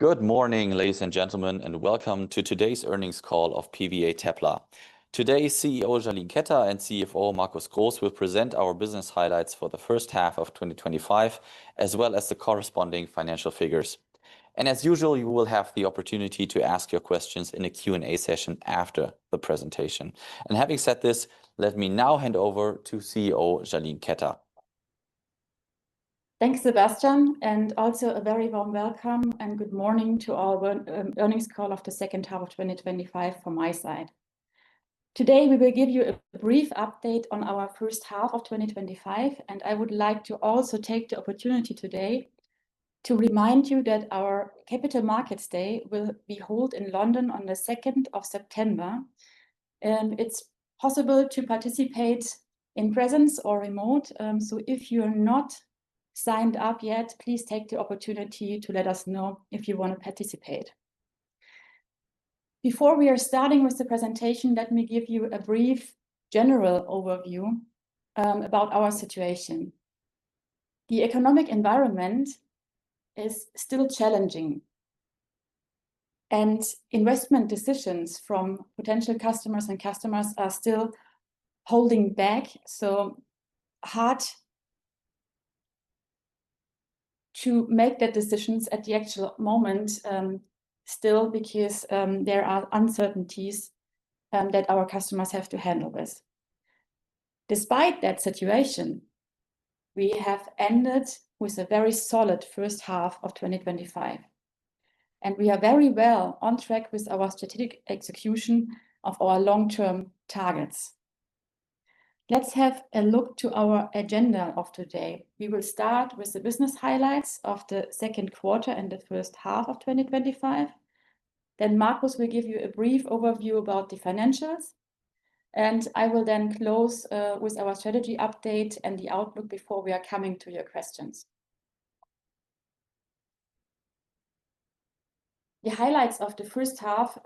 Good morning, ladies and gentlemen, and welcome to Today's Earnings Call of PVA TePla. Today, CEO Jaline Ketter and CFO Markus Groß will present our business highlights for the first half of 2025, as well as the corresponding financial figures. You will have the opportunity to ask your questions in the Q&A session after the presentation. Having said this, let me now hand over to CEO Jaline Ketter. Thanks, Sebastian, and also a very warm welcome and good morning to our Earnings Call of the Second Half of 2025 from my side. Today, we will give you a brief update on our first half of 2025, and I would like to also take the opportunity today to remind you that our Capital Markets Day will be held in London on the 2nd of September. It's possible to participate in presence or remote, so if you're not signed up yet, please take the opportunity to let us know if you want to participate. Before we are starting with the presentation, let me give you a brief general overview about our situation. The economic environment is still challenging, and investment decisions from potential customers and customers are still holding back, so it's hard to make the decisions at the actual moment, still, because there are uncertainties that our customers have to handle this. Despite that situation, we have ended with a very solid first half of 2025, and we are very well on track with our strategic execution of our long-term targets. Let's have a look at our agenda for today. We will start with the business highlights of the second quarter and the first half of 2025. Markus will give you a brief overview about the financials, and I will then close with our strategy update and the outlook before we are coming to your questions. The highlights of the first half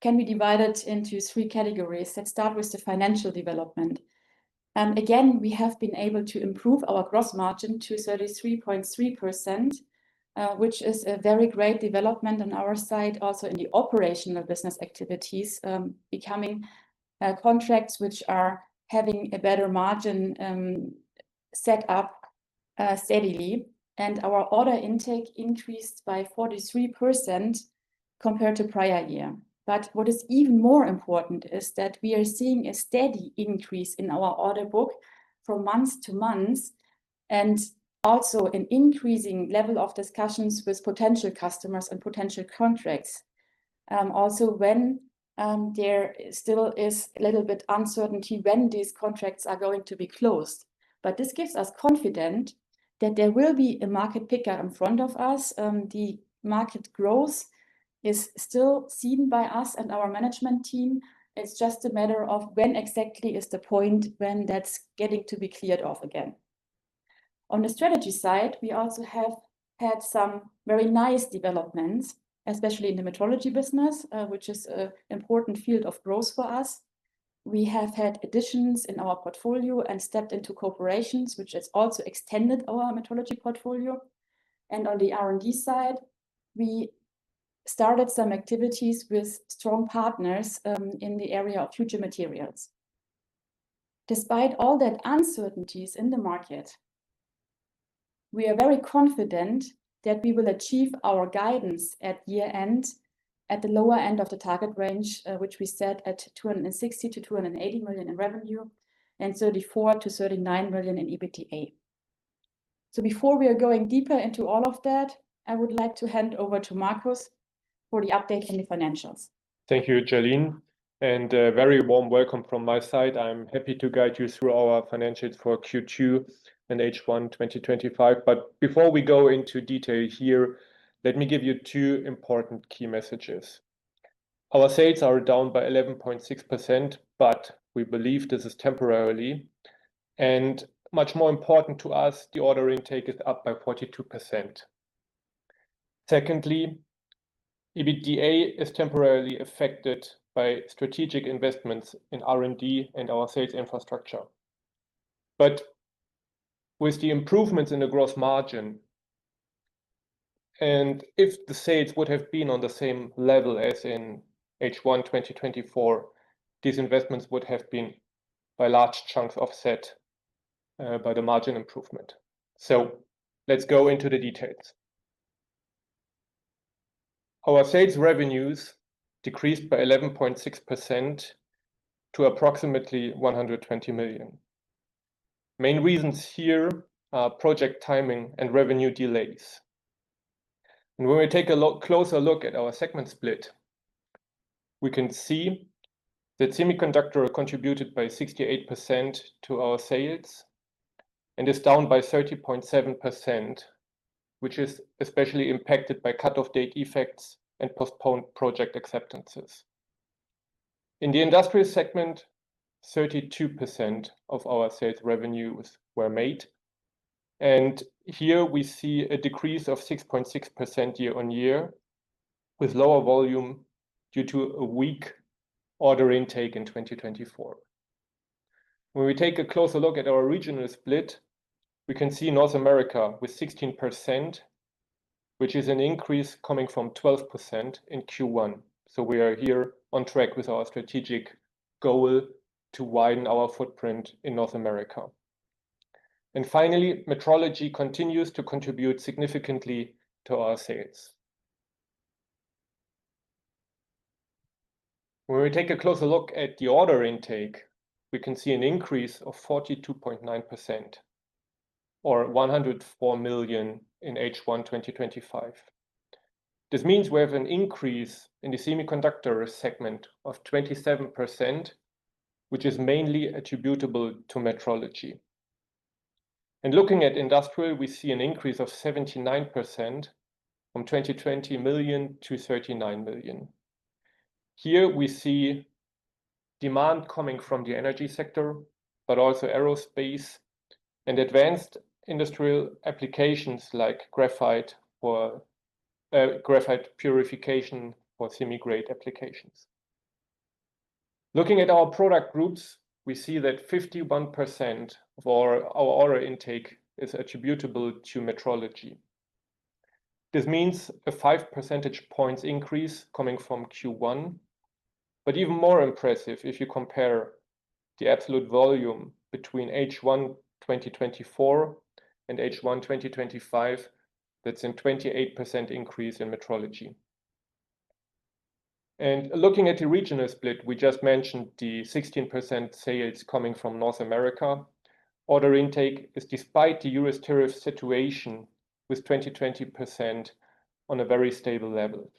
can be divided into three categories. Let's start with the financial development. Again, we have been able to improve our gross margin to 33.3%, which is a very great development on our side. Also, in the operational business activities, we are becoming contractors which are having a better margin set up steadily, and our order intake increased by 43% compared to the prior year. What is even more important is that we are seeing a steady increase in our order book from month to month, and also an increasing level of discussions with potential customers and potential contractors. There still is a little bit of uncertainty when these contracts are going to be closed, but this gives us confidence that there will be a market pickup in front of us. The market growth is still seen by us and our management team. It's just a matter of when exactly is the point when that's getting to be cleared off again. On the strategy side, we also have had some very nice developments, especially in the metrology business, which is an important field of growth for us. We have had additions in our portfolio and stepped into corporations, which has also extended our metrology portfolio. On the R&D side, we started some activities with strong partners in the area of future materials. Despite all the uncertainties in the market, we are very confident that we will achieve our guidance at year-end at the lower end of the target range, which we set at 260 million-280 million in revenue and 34 million-39 million in EBITDA. Before we are going deeper into all of that, I would like to hand over to Markus for the update on the financials. Thank you, Jaline, and a very warm welcome from my side. I'm happy to guide you through our financials for Q2 and H1 2025. Before we go into detail here, let me give you two important key messages. Our sales are down by 11.6%, but we believe this is temporary. Much more important to us, the order intake is up by 42%. Secondly, EBITDA is temporarily affected by strategic investments in R&D and our sales infrastructure. With the improvements in the gross margin, and if the sales would have been on the same level as in H1 2024, these investments would have been by large chunks offset by the margin improvement. Let's go into the details. Our sales revenues decreased by 11.6% to approximately 120 million. The main reasons here are project timing and revenue delays. When we take a closer look at our segment split, we can see that the semiconductor segment contributed by 68% to our sales and is down by 30.7%, which is especially impacted by cut-off date effects and postponed project acceptances. In the industrial segment, 32% of our sales revenues were made, and here we see a decrease of 6.6% year-on-year with lower volume due to a weak order intake in 2024. When we take a closer look at our regional split, we can see North America with 16%, which is an increase coming from 12% in Q1. We are here on track with our strategic goal to widen our footprint in North America. Finally, metrology continues to contribute significantly to our sales. When we take a closer look at the order intake, we can see an increase of 42.9% or EUR 104 million in H1 2025. This means we have an increase in the semiconductor segment of 27%, which is mainly attributable to metrology. Looking at industrial, we see an increase of 79% from 20 million-39 million. Here we see demand coming from the energy sector, but also aerospace and advanced industrial applications like graphite or graphite purification or semi-grade applications. Looking at our product groups, we see that 51% of our order intake is attributable to metrology. This means a 5 percentage point increase coming from Q1. Even more impressive, if you compare the absolute volume between H1 2024 and H1 2025, that's a 28% increase in metrology. Looking at the regional split, we just mentioned the 16% sales coming from North America. Order intake is, despite the U.S. tariff situation, with 20%-20% on a very stable level.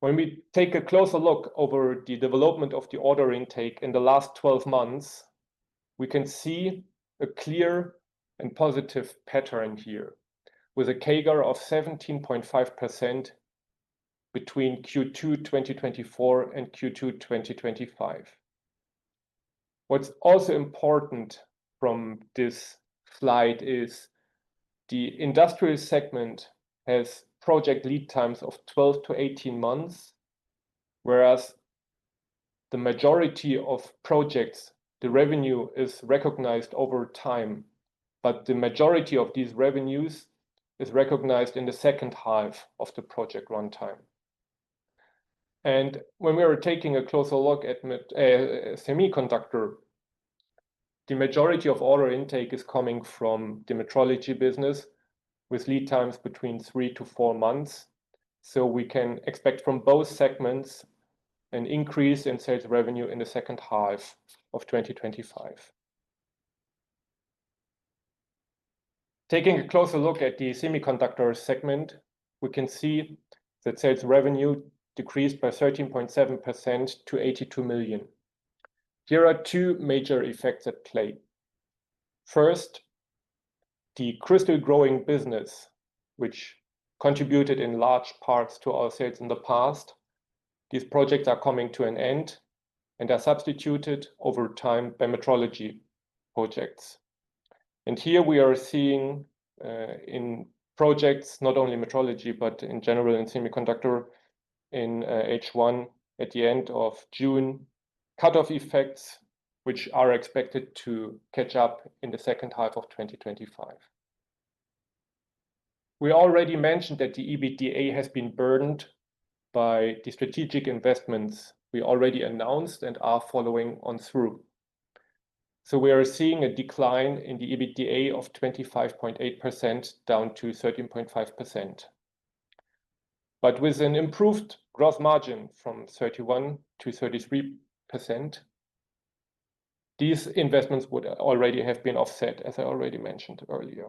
When we take a closer look over the development of the order intake in the last 12 months, we can see a clear and positive pattern here with a CAGR of 17.5% between Q2 2024 and Q2 2025. What's also important from this slide is the industrial segment has project lead times of 12 months-18 months, whereas the majority of projects, the revenue is recognized over time, but the majority of these revenues is recognized in the second half of the project runtime. When we are taking a closer look at semiconductor, the majority of order intake is coming from the metrology business with lead times between 3 months-4 months. We can expect from both segments an increase in sales revenue in the second half of 2025. Taking a closer look at the semiconductor segment, we can see that sales revenue decreased by 13.7%-$82 million. Here are two major effects at play. First, the crystal growing business, which contributed in large parts to our sales in the past, these projects are coming to an end and are substituted over time by metrology projects. Here we are seeing in projects, not only metrology, but in general in semiconductor in H1 at the end of June, cut-off effects which are expected to catch up in the second half of 2025. We already mentioned that the EBITDA has been burdened by the strategic investments we already announced and are following on through. We are seeing a decline in the EBITDA of 25.8% down to 13.5%. With an improved gross margin from 31%-33%, these investments would already have been offset, as I already mentioned earlier.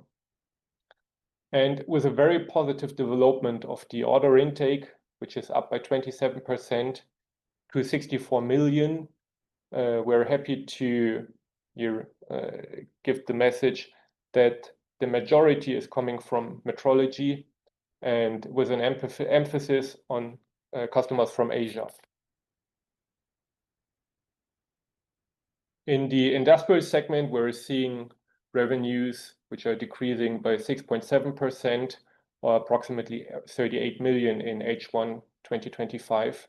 With a very positive development of the order intake, which is up by 27%-$64 million, we're happy to give the message that the majority is coming from metrology and with an emphasis on customers from Asia. In the industrial segment, we're seeing revenues which are decreasing by 6.7% or approximately $38 million in H1 2025.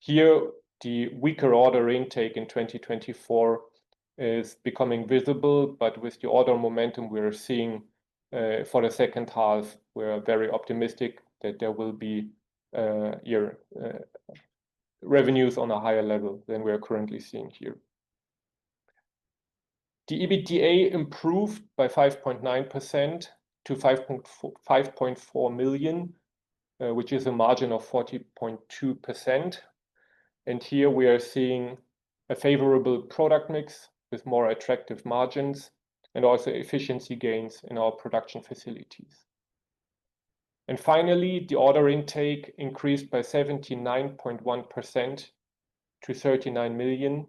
Here, the weaker order intake in 2024 is becoming visible, but with the order momentum we are seeing for the second half, we are very optimistic that there will be revenues on a higher level than we are currently seeing here. The EBITDA improved by 5.9%-$5.4 million, which is a margin of 40.2%. Here we are seeing a favorable product mix with more attractive margins and also efficiency gains in our production facilities. Finally, the order intake increased by 79.1%-$39 million.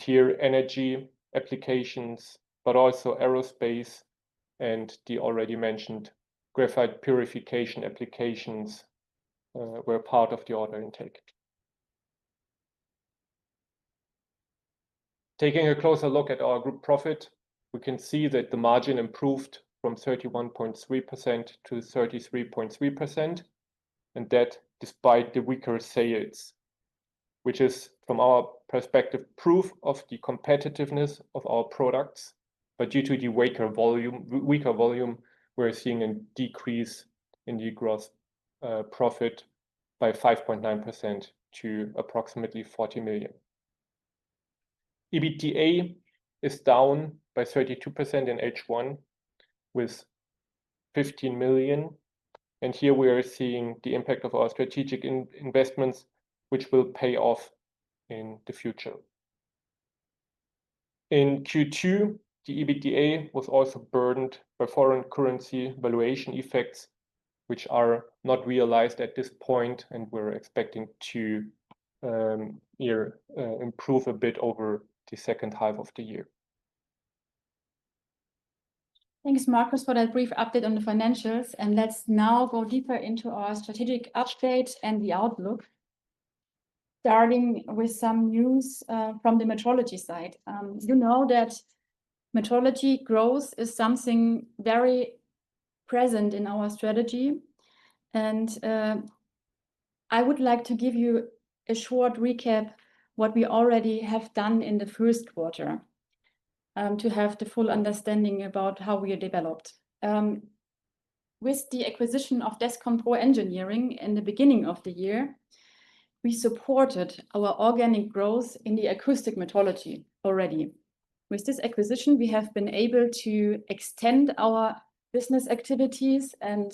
Here, energy applications, but also aerospace and the already mentioned graphite purification applications were part of the order intake. Taking a closer look at our group profit, we can see that the margin improved from 31.3%-33.3%, and that despite the weaker sales, which is, from our perspective, proof of the competitiveness of our products. Due to the weaker volume, we are seeing a decrease in the gross profit by 5.9% to approximately EUR 40 million. EBITDA is down by 32% in H1 with 15 million. Here we are seeing the impact of our strategic investments, which will pay off in the future. In Q2, the EBITDA was also burdened by foreign currency valuation effects, which are not realized at this point and we're expecting to improve a bit over the second half of the year. Thanks, Markus, for that brief update on the financials. Let's now go deeper into our strategic update and the outlook. Starting with some news from the metrology side. You know that metrology growth is something very present in our strategy. I would like to give you a short recap of what we already have done in the first quarter to have the full understanding about how we are developed. With the acquisition of Descom Pro Engineering in the beginning of the year, we supported our organic growth in the acoustic metrology already. With this acquisition, we have been able to extend our business activities and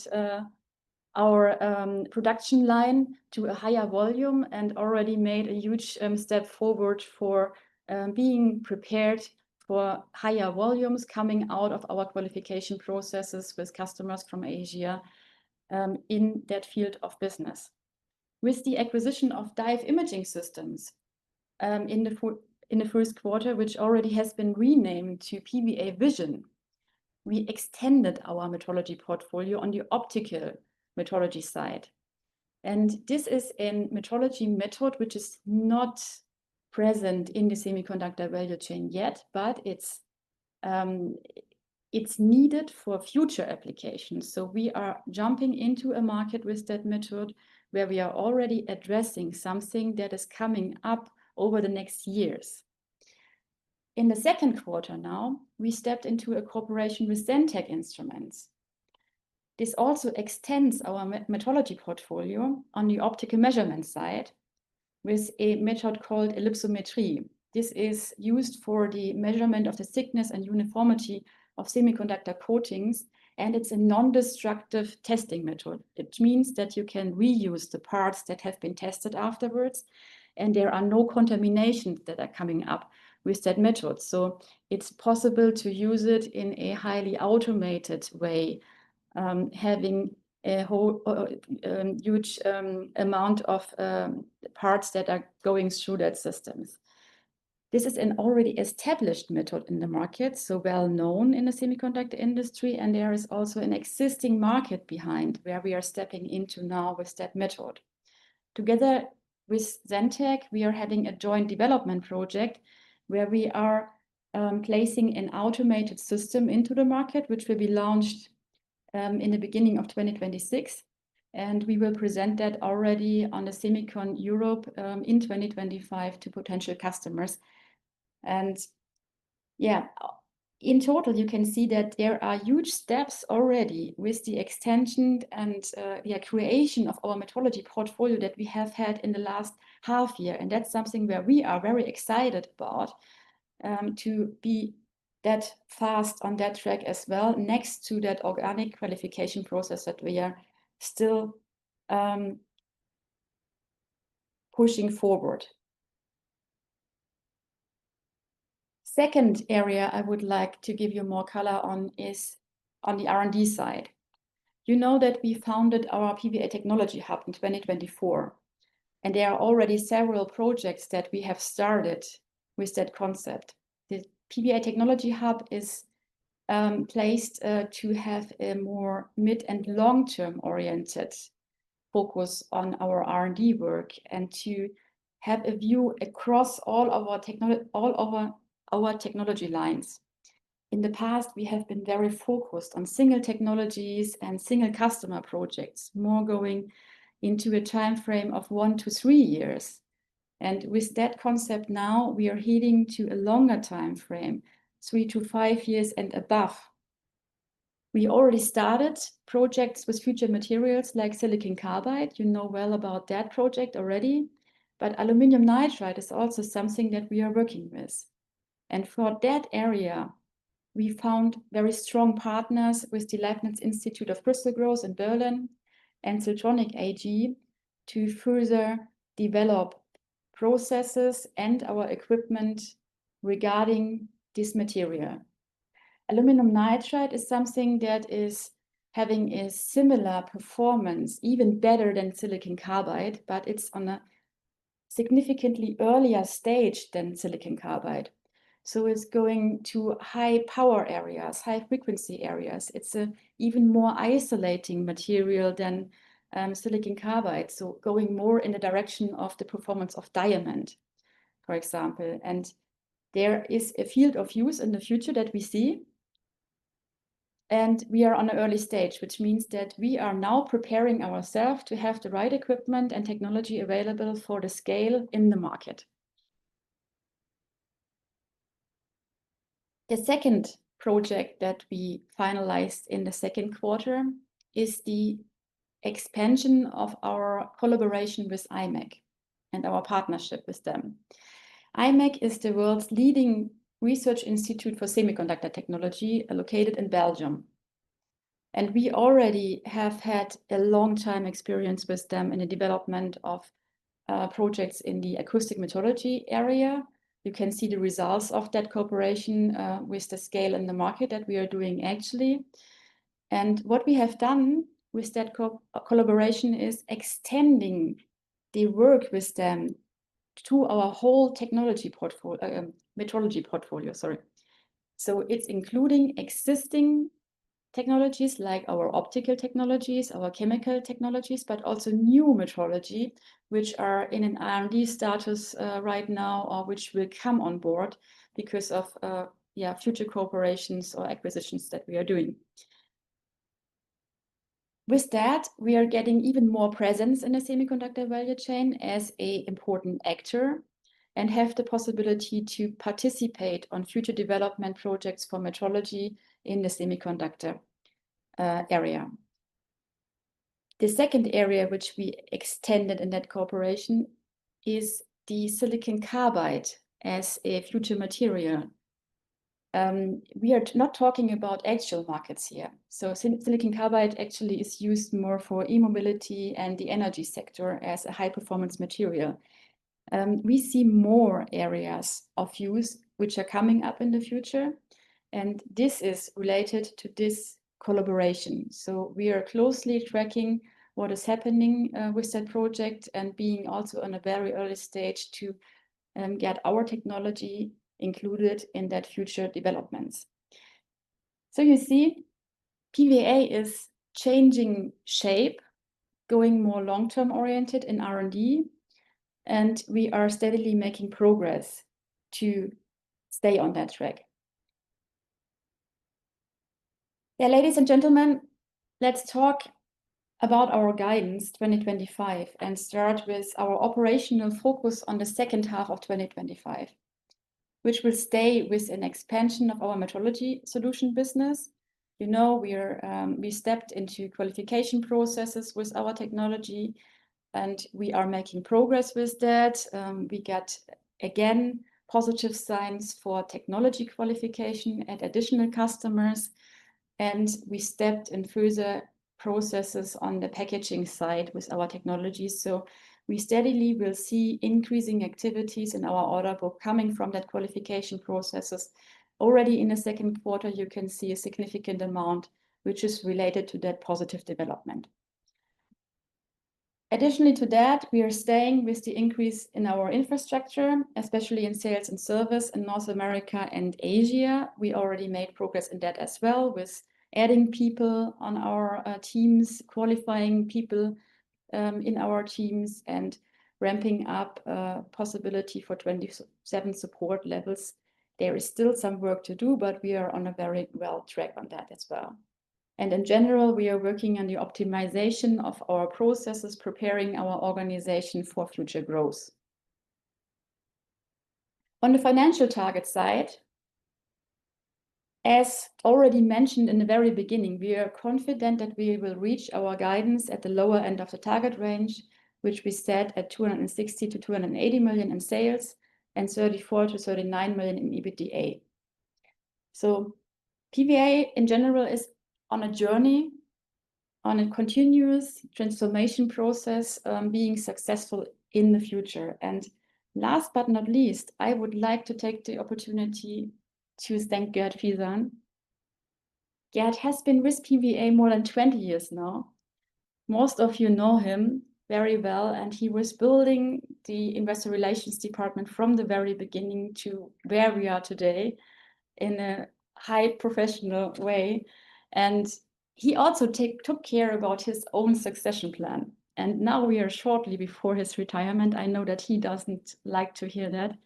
our production line to a higher volume and already made a huge step forward for being prepared for higher volumes coming out of our qualification processes with customers from Asia in that field of business. With the acquisition of Dive Imaging Systems in the first quarter, which already has been renamed to PVA Vision, we extended our metrology portfolio on the optical metrology side. This is a metrology method which is not present in the semiconductor value chain yet, but it's needed for future applications. We are jumping into a market with that method where we are already addressing something that is coming up over the next years. In the second quarter now, we stepped into a cooperation with Zentech Instruments. This also extends our metrology portfolio on the optical measurement side with a method called ellipsometry. This is used for the measurement of the thickness and uniformity of semiconductor coatings, and it's a non-destructive testing method. It means that you can reuse the parts that have been tested afterwards, and there are no contaminations that are coming up with that method. It's possible to use it in a highly automated way, having a huge amount of parts that are going through that system. This is an already established method in the market, well known in the semiconductor industry, and there is also an existing market behind where we are stepping into now with that method. Together with Zentech, we are having a joint development project where we are placing an automated system into the market, which will be launched in the beginning of 2026. We will present that already on the Semicon Europe in 2025 to potential customers. In total, you can see that there are huge steps already with the extension and the creation of our metrology portfolio that we have had in the last half year. That's something where we are very excited about, to be that fast on that track as well, next to that organic qualification process that we are still pushing forward. The second area I would like to give you more color on is on the R&D side. You know that we founded our PVA Technology Hub in 2024, and there are already several projects that we have started with that concept. The PVA Technology Hub is placed to have a more mid and long-term-oriented focus on our R&D work and to have a view across all of our technology lines. In the past, we have been very focused on single technologies and single customer projects, more going into a timeframe of one to three years. With that concept now, we are heading to a longer timeframe, three to five years and above. We already started projects with future materials like silicon carbide. You know well about that project already. Aluminum nitride is also something that we are working with. For that area, we found very strong partners with the Leibniz Institute of Crystal Growth in Berlin and Sotronic AG to further develop processes and our equipment regarding this material. Aluminum nitride is something that is having a similar performance, even better than silicon carbide, but it's on a significantly earlier stage than silicon carbide. It is going to high power areas, high frequency areas. It's an even more isolating material than silicon carbide, going more in the direction of the performance of diamond, for example. There is a field of use in the future that we see. We are on an early stage, which means that we are now preparing ourselves to have the right equipment and technology available for the scale in the market. The second project that we finalized in the second quarter is the expansion of our collaboration with IMEC and our partnership with them. IMEC is the world's leading research institute for semiconductor technology located in Belgium. We already have had a long-time experience with them in the development of projects in the acoustic metrology area. You can see the results of that cooperation with the scale in the market that we are doing, actually. What we have done with that collaboration is extending the work with them to our whole technology portfolio, metrology portfolio, sorry. It's including existing technologies like our optical technologies, our chemical technologies, but also new metrology, which are in an R&D status right now or which will come on board because of future cooperations or acquisitions that we are doing. With that, we are getting even more presence in the semiconductor value chain as an important actor and have the possibility to participate in future development projects for metrology in the semiconductor area. The second area which we extended in that cooperation is the silicon carbide as a future material. We are not talking about actual markets here. Silicon carbide actually is used more for e-mobility and the energy sector as a high-performance material. We see more areas of use which are coming up in the future. This is related to this collaboration. We are closely tracking what is happening with that project and being also on a very early stage to get our technology included in that future development. You see, PVA is changing shape, going more long-term-oriented in R&D, and we are steadily making progress to stay on that track. Now, ladies and gentlemen, let's talk about our guidance 2025 and start with our operational focus on the second half of 2025, which will stay with an expansion of our metrology solution business. You know we stepped into qualification processes with our technology, and we are making progress with that. We got, again, positive signs for technology qualification at additional customers, and we stepped in further processes on the packaging side with our technology. We steadily will see increasing activities in our order book coming from that qualification processes. Already in the second quarter, you can see a significant amount, which is related to that positive development. Additionally to that, we are staying with the increase in our infrastructure, especially in sales and service in North America and Asia. We already made progress in that as well with adding people on our teams, qualifying people in our teams, and ramping up the possibility for 24/7 support levels. There is still some work to do, but we are on a very well track on that as well. In general, we are working on the optimization of our processes, preparing our organization for future growth. On the financial target side, as already mentioned in the very beginning, we are confident that we will reach our guidance at the lower end of the target range, which we set at 260 million-280 million in sales and 34 million-39 million in EBITDA. PVA, in general, is on a journey, on a continuous transformation process, being successful in the future. Last but not least, I would like to take the opportunity to thank Gerd Friesen. Gerd has been with PVA more than 20 years now. Most of you know him very well, and he was building the Investor Relations department from the very beginning to where we are today in a highly professional way. He also took care about his own succession plan. Now we are shortly before his retirement. I know that he doesn't like to hear that.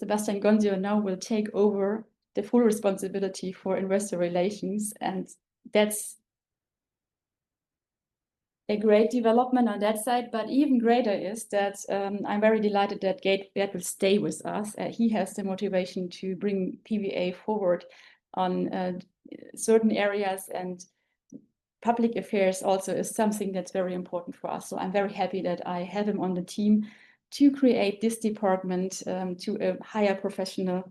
Sebastian Gonsior now will take over the full responsibility for Investor Relations, and that's a great development on that side. Even greater is that I'm very delighted that Gerd will stay with us. He has the motivation to bring PVA forward on certain areas, and public affairs also is something that's very important for us. I'm very happy that I have him on the team to create this department to a higher professional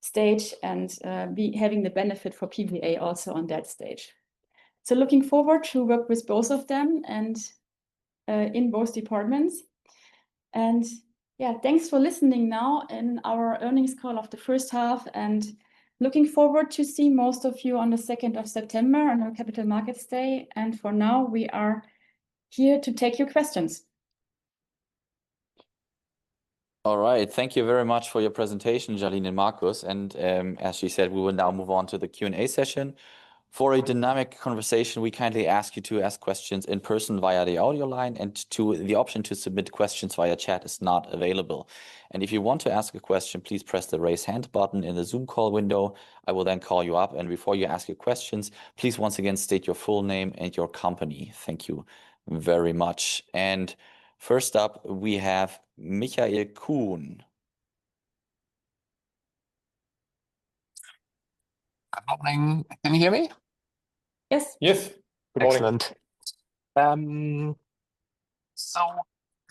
stage and be having the benefit for PVA also on that stage. Looking forward to work with both of them and in both departments. Thanks for listening now in our earnings call of the first half. Looking forward to seeing most of you on the 2nd of September on our Capital Markets Day. For now, we are here to take your questions. All right. Thank you very much for your presentation, Jaline and Markus. As she said, we will now move on to the Q&A session. For a dynamic conversation, we kindly ask you to ask questions in person via the audio line. The option to submit questions via chat is not available. If you want to ask a question, please press the raise hand button in the Zoom call window. I will then call you up. Before you ask your questions, please once again state your full name and your company. Thank you very much. First up, we have Michael Kuhn. I'm opening. Can you hear me? Yes. Yes, good morning. Excellent.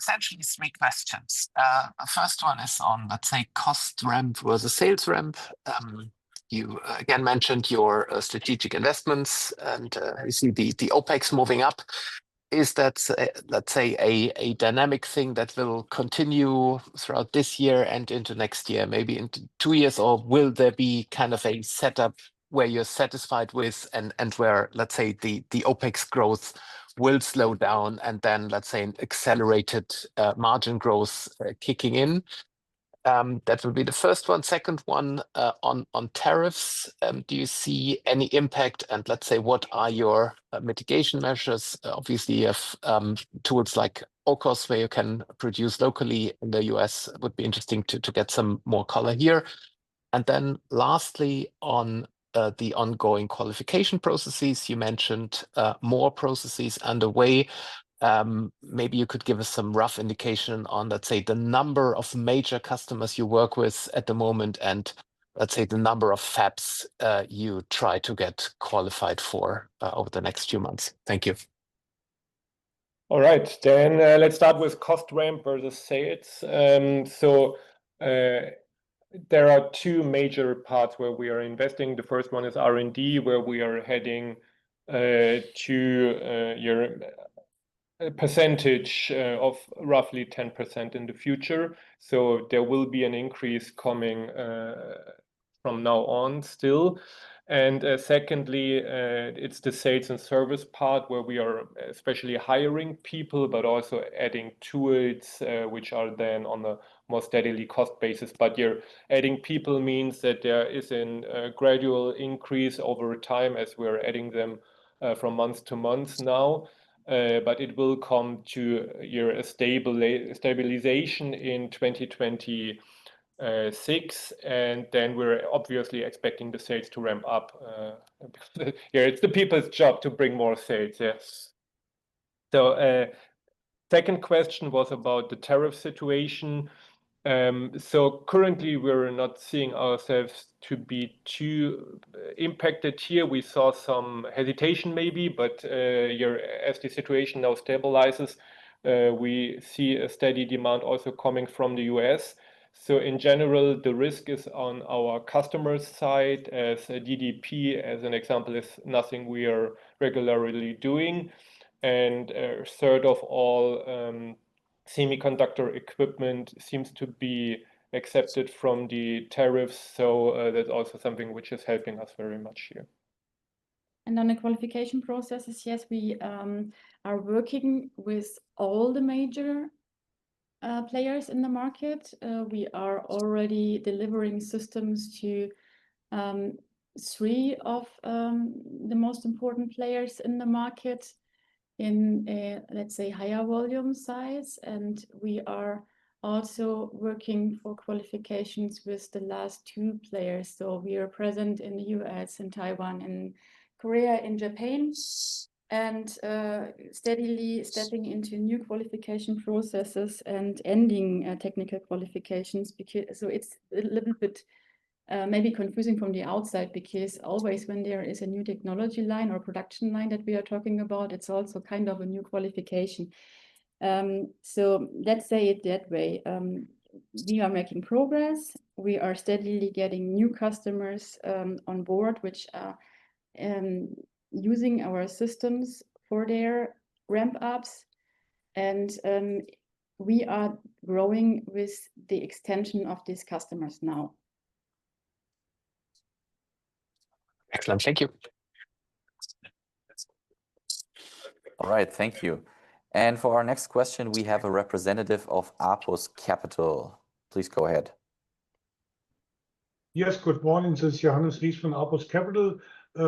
Essentially three questions. The first one is on, let's say, cost ramps versus sales ramp. You again mentioned your strategic investments, and you see the OPEX moving up. Is that, let's say, a dynamic thing that will continue throughout this year and into next year, maybe in two years? Or will there be kind of a setup where you're satisfied with and where, let's say, the OPEX growth will slow down and then, let's say, an accelerated margin growth kicking in? That will be the first one. Second one, on tariffs. Do you see any impact? Let's say, what are your mitigation measures? Obviously, you have tools like OCOS where you can produce locally in the U.S. It would be interesting to get some more color here. Lastly, on the ongoing qualification processes, you mentioned more processes. Maybe you could give us some rough indication on, let's say, the number of major customers you work with at the moment and, let's say, the number of fabs you try to get qualified for over the next few months. Thank you. All right. Jaline, let's start with cost ramp versus sales. There are two major parts where we are investing. The first one is R&D, where we are heading to a percentage of roughly 10% in the future. There will be an increase coming from now on still. Secondly, it's the sales and service part where we are especially hiring people, but also adding tools, which are then on a more steadily cost basis. You're adding people, which means that there is a gradual increase over time as we're adding them from month to month now. It will come to a stabilization in 2026. We're obviously expecting the sales to ramp up. It's the people's job to bring more sales, yes. The second question was about the tariff situation. Currently, we're not seeing ourselves to be too impacted here. We saw some hesitation maybe, but as the situation now stabilizes, we see a steady demand also coming from the U.S. In general, the risk is on our customer's side. As DDP, as an example, is nothing we are regularly doing. Third of all, semiconductor equipment seems to be excepted from the tariffs. That's also something which is helping us very much here. On the qualification processes, yes, we are working with all the major players in the market. We are already delivering systems to three of the most important players in the market in, let's say, higher volume size. We are also working for qualifications with the last two players. We are present in the U.S., in Taiwan, in Korea, in Japan, and steadily stepping into new qualification processes and ending technical qualifications. It is a little bit maybe confusing from the outside because always when there is a new technology line or production line that we are talking about, it's also kind of a new qualification. Let's say it that way. We are making progress. We are steadily getting new customers on board which are using our systems for their ramp-ups, and we are growing with the extension of these customers now. Excellent. Thank you. All right. Thank you. For our next question, we have a representative of Apus Capital. Please go ahead. Yes. Good morning. This is Johannes Ries from Apus Capital.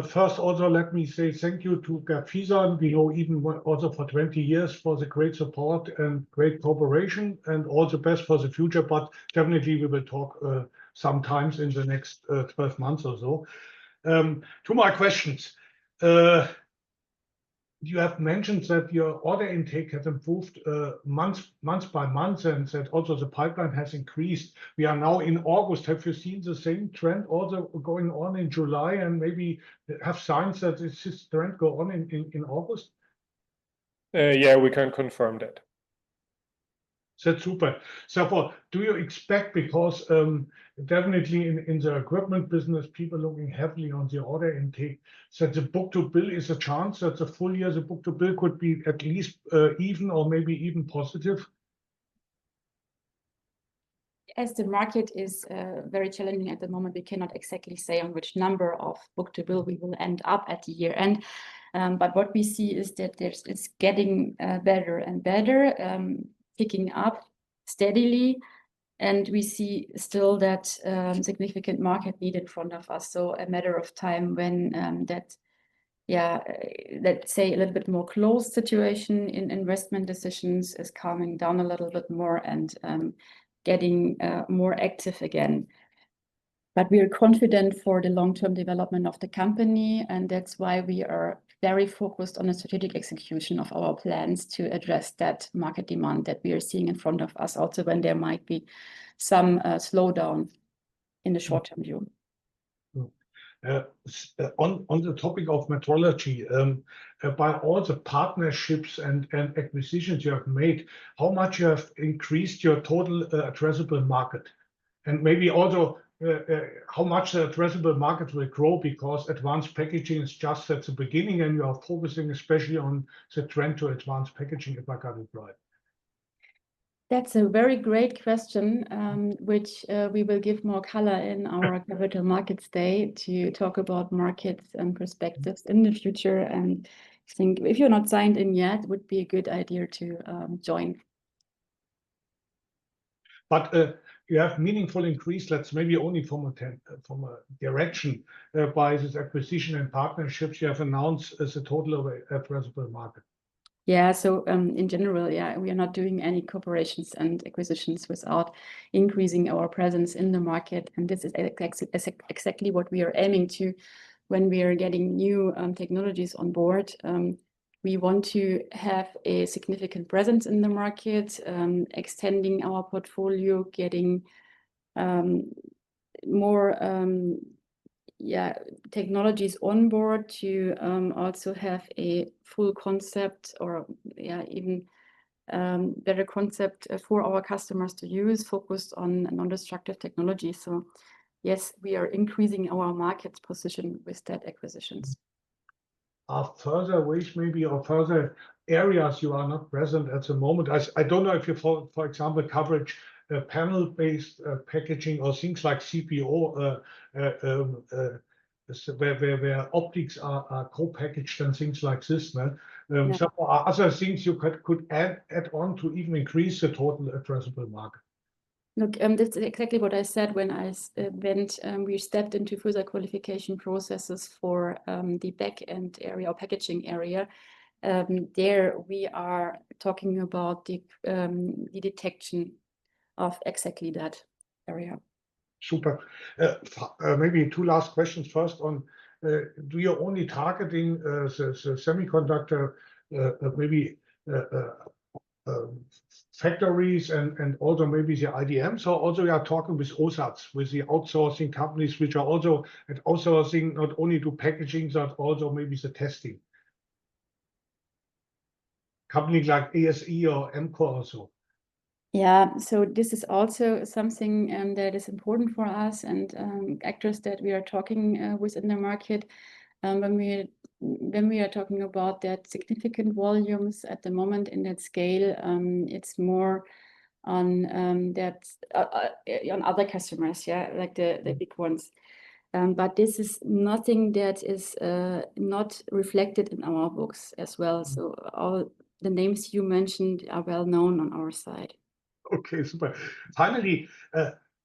First, also, let me say thank you to Gerd Friesen. We know you even also for 20 years for the great support and great cooperation and all the best for the future. Definitely, we will talk sometimes in the next 12 months or so. To my questions, you have mentioned that your order intake has improved month by month and that also the pipeline has increased. We are now in August. Have you seen the same trend also going on in July and maybe have signs that this trend goes on in August? Yeah, we can confirm that. That's super. Do you expect, because definitely in the equipment business, people are looking heavily on the order intake, that the book-to-bill is a chance, that the full year's book-to-bill could be at least even or maybe even positive? As the market is very challenging at the moment, we cannot exactly say on which number of book-to-bill we will end up at the year-end. What we see is that it's getting better and better, picking up steadily. We see still that significant market need in front of us. It is a matter of time when that, let's say, a little bit more closed situation in investment decisions is calming down a little bit more and getting more active again. We are confident for the long-term development of the company, and that's why we are very focused on the strategic execution of our plans to address that market demand that we are seeing in front of us, also when there might be some slowdown in the short-term view. On the topic of metrology, by all the partnerships and acquisitions you have made, how much you have increased your total addressable market? Maybe also, how much the addressable market will grow because advanced packaging is just at the beginning and you are focusing especially on the trend to advanced packaging, if I got it right? That's a very great question, which we will give more color in our Capital Markets Day to talk about markets and perspectives in the future. I think if you're not signed in yet, it would be a good idea to join. You have meaningful increase, maybe only from a direction by this acquisition and partnerships you have announced as a total addressable market. In general, we are not doing any corporations and acquisitions without increasing our presence in the market. This is exactly what we are aiming to when we are getting new technologies on board. We want to have a significant presence in the market, extending our portfolio, getting more technologies on board to also have a full concept or even a better concept for our customers to use, focused on non-destructive technology. Yes, we are increasing our market's position with state acquisitions. Further ways maybe or further areas you are not present at the moment. I don't know if you're, for example, covering a panel-based packaging or things like CPO, where optics are co-packaged and things like this. Are there other things you could add on to even increase the total addressable market? That's exactly what I said when I went. We stepped into further qualification processes for the backend area or packaging area. There, we are talking about the detection of exactly that area. Super. Maybe two last questions. First, do you only target the semiconductor, maybe factories and also maybe the IDMs? Also, we are talking with OSATs, with the outsourcing companies, which are also outsourcing not only to packaging, but also maybe the testing. Companies like DSE or EMCO also. This is also something that is important for us and actors that we are talking with in the market. When we are talking about that significant volumes at the moment in that scale, it's more on other customers, like the big ones. This is nothing that is not reflected in our books as well. All the names you mentioned are well known on our side. Okay. Super. Finally,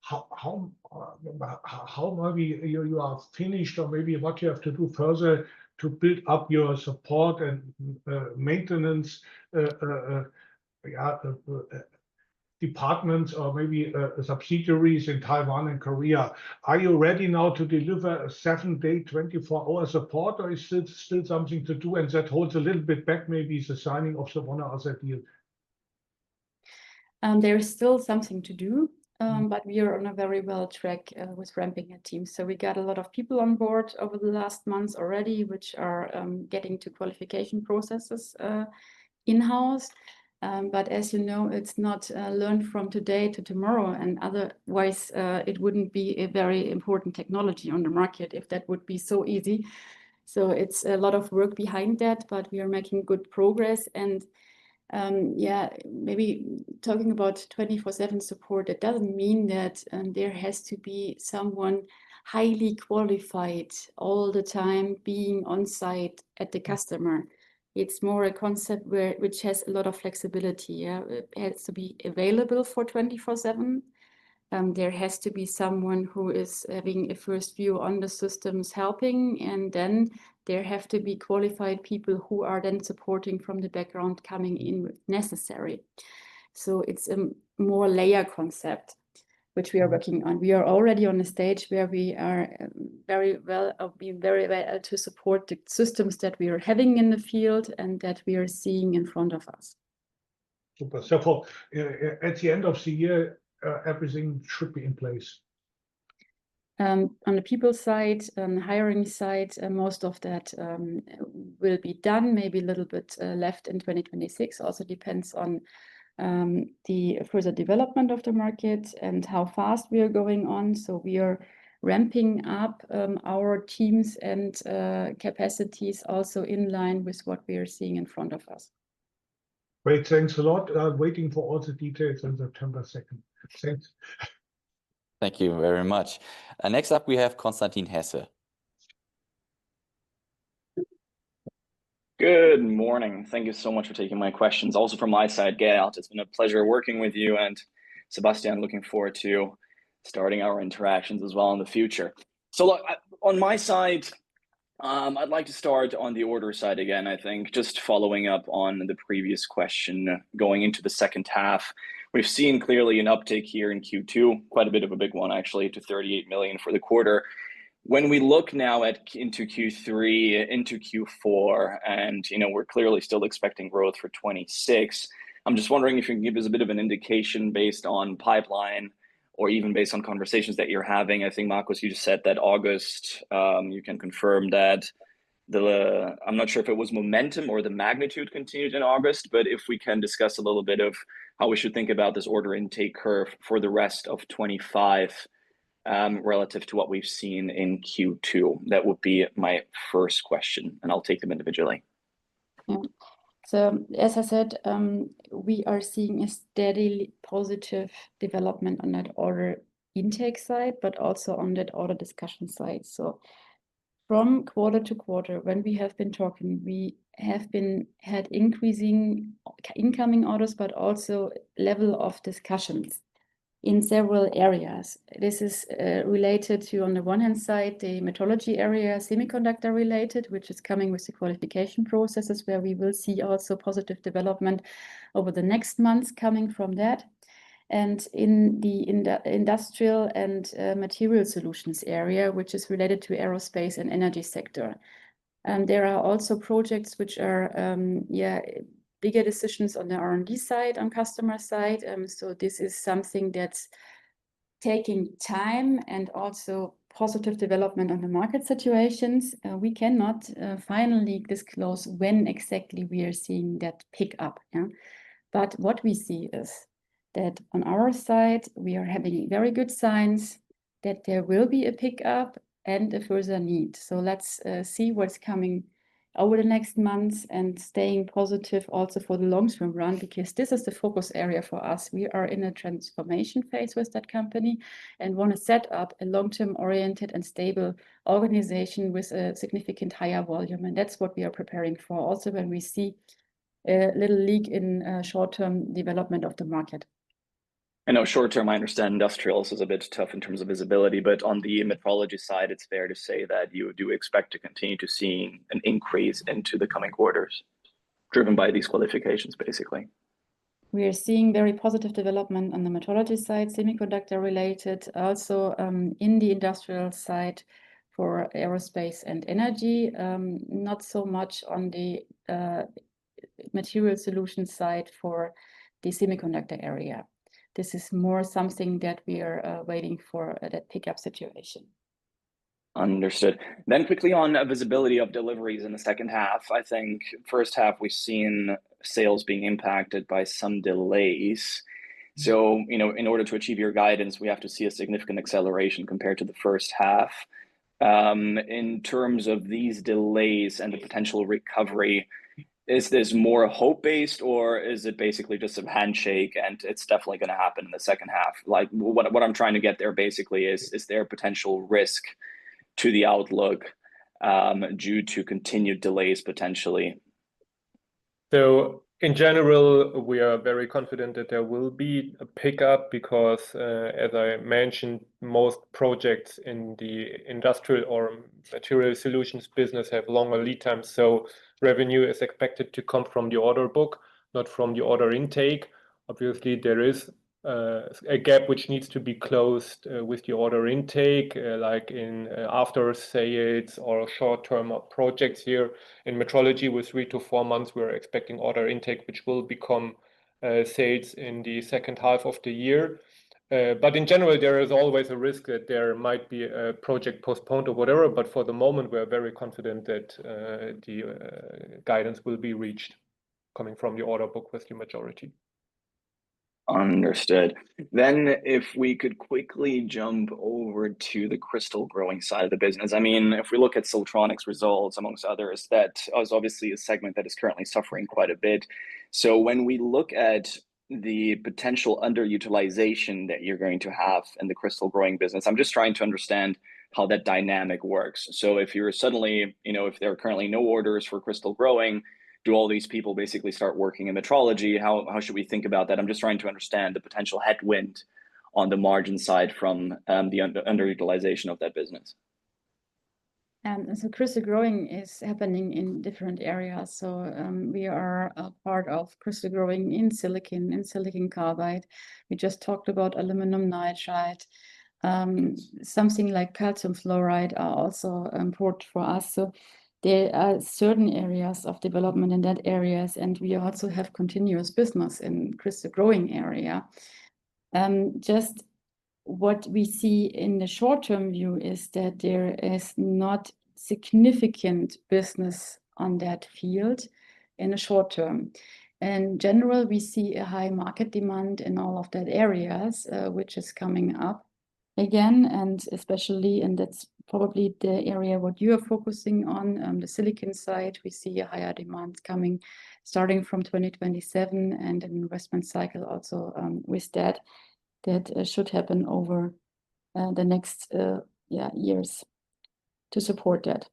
how maybe you are finished or maybe what you have to do further to build up your support and maintenance departments or maybe subsidiaries in Taiwan and Korea? Are you ready now to deliver a seven-day, 24-hour support, or is it still something to do and that holds a little bit back, maybe the signing of one or other deal? There is still something to do, but we are on a very well track with ramping a team. We got a lot of people on board over the last months already, which are getting to qualification processes in-house. As you know, it's not learned from today to tomorrow, and otherwise, it wouldn't be a very important technology on the market if that would be so easy. It's a lot of work behind that, but we are making good progress. Maybe talking about 24/7 support, it doesn't mean that there has to be someone highly qualified all the time being on site at the customer. It's more a concept which has a lot of flexibility. It has to be available for 24/7. There has to be someone who is having a first view on the systems helping, and then there have to be qualified people who are then supporting from the background coming in necessary. It's a more layered concept which we are working on. We are already on a stage where we are very well to support the systems that we are having in the field and that we are seeing in front of us. Super. At the end of the year, everything should be in place. On the people side, on the hiring side, most of that will be done, maybe a little bit left in 2026. It also depends on the further development of the market and how fast we are going on. We are ramping up our teams and capacities also in line with what we are seeing in front of us. Great. Thanks a lot. I'm waiting for all the details on September 2nd. Thank you very much. Next up, we have Constantin Hesse. Good morning. Thank you so much for taking my questions. Also from my side, Gerd, it's been a pleasure working with you. And Sebastian, looking forward to starting our interactions as well in the future. On my side, I'd like to start on the order side again, I think, just following up on the previous question going into the second half. We've seen clearly an uptick here in Q2, quite a bit of a big one, actually, to $38 million for the quarter. When we look now into Q3, into Q4, and you know we're clearly still expecting growth for 2026, I'm just wondering if you can give us a bit of an indication based on pipeline or even based on conversations that you're having. I think, Markus, you just said that August, you can confirm that. I'm not sure if it was momentum or the magnitude continued in August, but if we can discuss a little bit of how we should think about this order intake curve for the rest of 2025 relative to what we've seen in Q2. That would be my first question, and I'll take them individually. Yeah. As I said, we are seeing a steadily positive development on that order intake side, but also on that order discussion side. From quarter to quarter, when we have been talking, we have had increasing incoming orders, but also level of discussions in several areas. This is related to, on the one hand, the metrology area, semiconductor-related, which is coming with the qualification processes where we will see also positive development over the next months coming from that. In the industrial and material solutions area, which is related to aerospace and energy sector, there are also projects which are bigger decisions on the R&D side, on customer side. This is something that's taking time and also positive development on the market situations. We cannot finally disclose when exactly we are seeing that pickup. What we see is that on our side, we are having very good signs that there will be a pickup and a further need. Let's see what's coming over the next months and staying positive also for the long-term run because this is the focus area for us. We are in a transformation phase with that company and want to set up a long-term-oriented and stable organization with a significantly higher volume. That's what we are preparing for also when we see a little leak in short-term development of the market. I know short-term, I understand industrials is a bit tough in terms of visibility, but on the metrology side, it's fair to say that you do expect to continue to see an increase into the coming quarters driven by these qualifications, basically. We are seeing very positive development on the metrology side, semiconductor-related, also in the industrial side for aerospace and energy, not so much on the material solution side for the semiconductor area. This is more something that we are waiting for that pickup situation. Understood. Quickly on visibility of deliveries in the second half, I think first half, we've seen sales being impacted by some delays. In order to achieve your guidance, we have to see a significant acceleration compared to the first half. In terms of these delays and the potential recovery, is this more hope-based or is it basically just a handshake and it's definitely going to happen in the second half? What I'm trying to get at basically is, is there potential risk to the outlook due to continued delays potentially? In general, we are very confident that there will be a pickup because, as I mentioned, most projects in the industrial or material solutions business have longer lead times. Revenue is expected to come from the order book, not from the order intake. Obviously, there is a gap which needs to be closed with the order intake, like in after sales or short-term projects here. In metrology, with three to four months, we are expecting order intake, which will become sales in the second half of the year. In general, there is always a risk that there might be a project postponed or whatever. For the moment, we are very confident that the guidance will be reached coming from the order book with the majority. Understood. If we could quickly jump over to the crystal growing side of the business. If we look at Sotronic AG's results amongst others, that is obviously a segment that is currently suffering quite a bit. When we look at the potential underutilization that you're going to have in the crystal growing business, I'm just trying to understand how that dynamic works. If there are currently no orders for crystal growing, do all these people basically start working in metrology? How should we think about that? I'm just trying to understand the potential headwind on the margin side from the underutilization of that business. Crystal growing is happening in different areas. We are a part of crystal growing in silicon and silicon carbide. We just talked about aluminum nitride. Something like calcium fluoride is also important for us. There are certain areas of development in that area, and we also have continuous business in the crystal growing area. What we see in the short-term view is that there is not significant business in that field in the short term. In general, we see a high market demand in all of that area, which is coming up again, and especially in, that's probably the area you are focusing on, the silicon side. We see a higher demand coming, starting from 2027, and an investment cycle also with that that should happen over the next years to support that.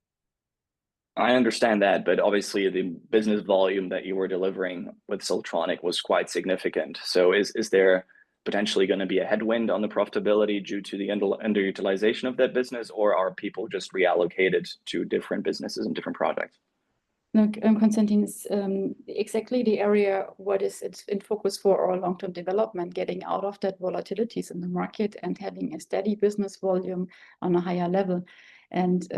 I understand that, but obviously, the business volume that you were delivering with Sotronic AG was quite significant. Is there potentially going to be a headwind on the profitability due to the underutilization of that business, or are people just reallocated to different businesses and different projects? No, Constantin, exactly the area that is in focus for our long-term development, getting out of that volatility in the market and having a steady business volume on a higher level and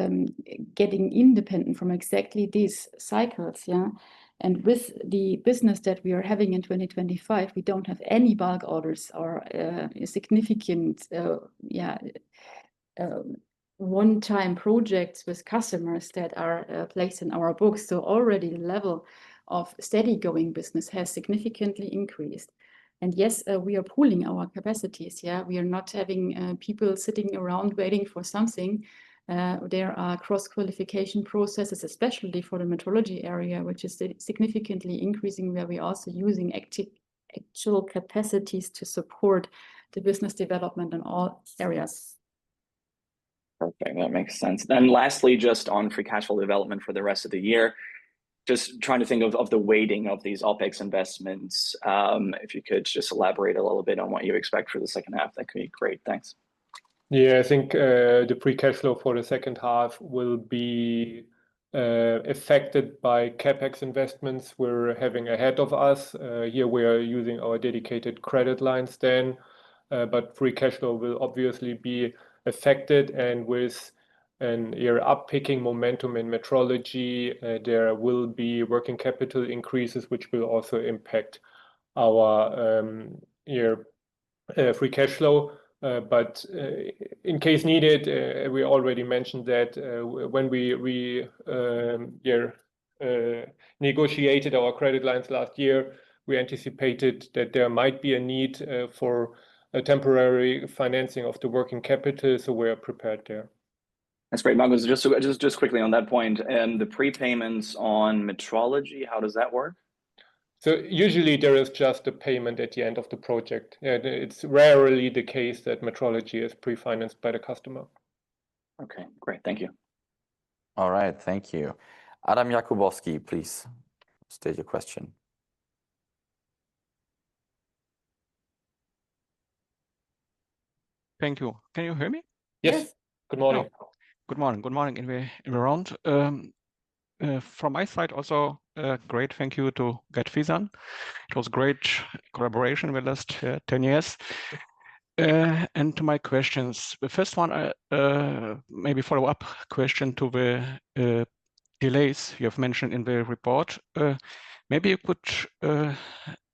getting independent from exactly these cycles. With the business that we are having in 2025, we don't have any bulk orders or significant one-time projects with customers that are placed in our books. Already the level of steady-going business has significantly increased. Yes, we are pooling our capacities. We are not having people sitting around waiting for something. There are cross-qualification processes, especially for the metrology area, which is significantly increasing, where we are also using actual capacities to support the business development in all areas. Okay, that makes sense. Lastly, just on pre-cash flow development for the rest of the year, just trying to think of the weighting of these OPEX investments. If you could just elaborate a little bit on what you expect for the second half, that could be great. Thanks. Yeah, I think the free cash flow for the second half will be affected by CapEx investments we're having ahead of us. Here, we are using our dedicated credit lines, then free cash flow will obviously be affected. With an uptick in momentum in metrology, there will be working capital increases, which will also impact our free cash flow. In case needed, we already mentioned that when we negotiated our credit lines last year, we anticipated that there might be a need for a temporary financing of the working capital. We are prepared there. That's great. Markus, just quickly on that point, and the prepayments on metrology, how does that work? Usually, there is just a payment at the end of the project. It's rarely the case that metrology is pre-financed by the customer. Okay, great. Thank you. All right. Thank you. Adam Jakubowski, please state your question. Thank you. Can you hear me? Yes. Good morning. Good morning. Good morning everyone. From my side, also, great. Thank you to Gerd Friesen. It was a great collaboration the last 10 years. To my questions, the first one, maybe follow-up question to the delays you have mentioned in the report. Maybe you could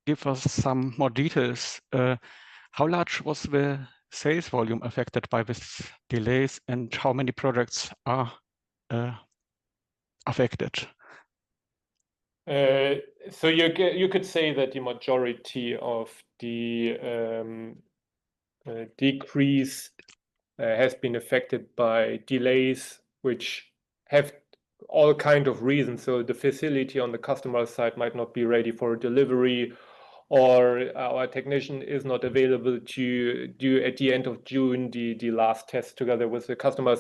give us some more details. How large was the sales volume affected by these delays, and how many products are affected? You could say that the majority of the decrease has been affected by delays, which have all kinds of reasons. The facility on the customer side might not be ready for a delivery, or our technician is not available to do, at the end of June, the last test together with the customer.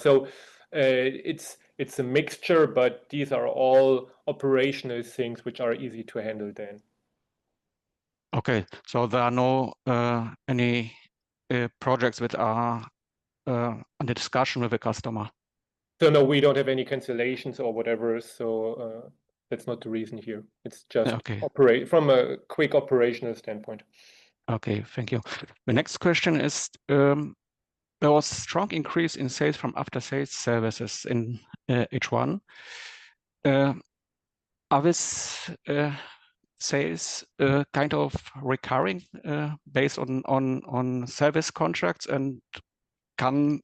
It's a mixture, but these are all operational things which are easy to handle then. Okay. There are no projects that are under discussion with the customer? No, we don't have any cancellations or whatever. That's not the reason here. It's just from a quick operational standpoint. Okay. Thank you. The next question is, there was a strong increase in sales from after-sales services in H1. Are these sales kind of recurring based on service contracts? Can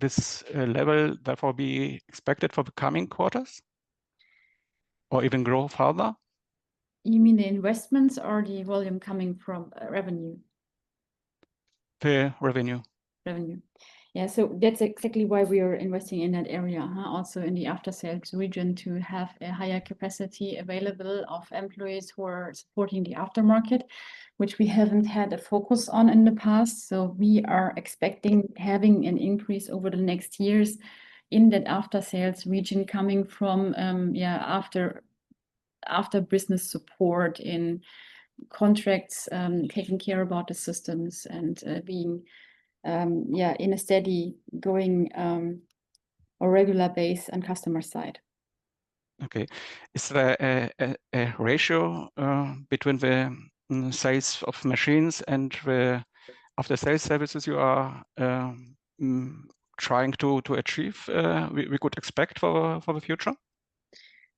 this level therefore be expected for the coming quarters or even grow further? You mean the investments or the volume coming from revenue? The revenue. Revenue. That's exactly why we are investing in that area, also in the after-sales region, to have a higher capacity available of employees who are supporting the aftermarket, which we haven't had a focus on in the past. We are expecting having an increase over the next years in that after-sales region coming from after business support in contracts, taking care about the systems, and being in a steady going or regular base and customer side. Okay. Is there a ratio between the size of machines and the after-sales services you are trying to achieve, we could expect for the future?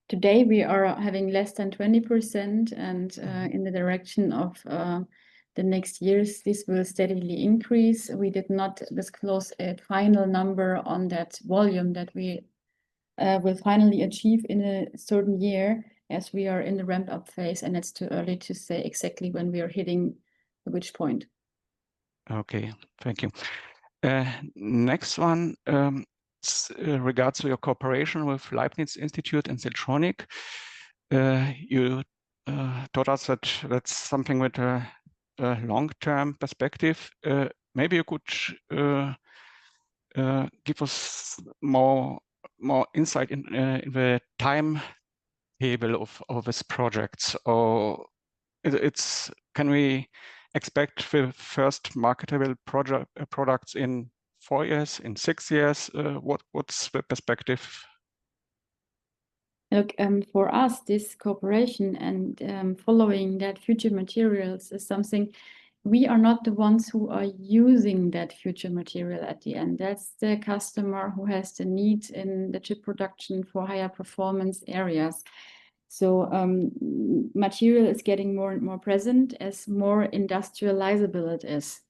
Today, we are having less than 20%. In the direction of the next years, this will steadily increase. We did not disclose a final number on that volume that we will finally achieve in a certain year as we are in the ramp-up phase, and it's too early to say exactly when we are hitting which point. Okay. Thank you. Next one, regards to your cooperation with Leibniz Institute of Crystal Growth and Sotronic. You told us that that's something with a long-term perspective. Maybe you could give us more insight in the timetable of these projects. Can we expect the first marketable products in four years, in six years? What's the perspective? Look, for us, this cooperation and following that future materials is something we are not the ones who are using that future material at the end. That's the customer who has the need in the chip production for higher performance areas. Material is getting more and more present as more industrializable it is.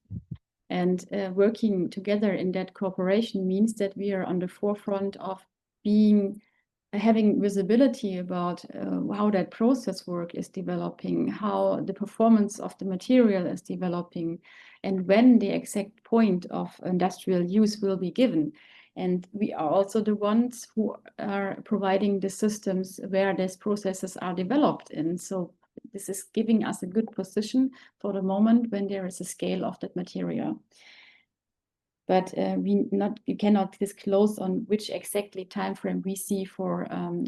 Working together in that cooperation means that we are on the forefront of having visibility about how that process work is developing, how the performance of the material is developing, and when the exact point of industrial use will be given. We are also the ones who are providing the systems where these processes are developed in. This is giving us a good position for the moment when there is a scale of that material. We cannot disclose on which exactly timeframe we see for